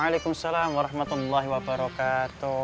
waalaikumsalam warahmatullahi wabarakatuh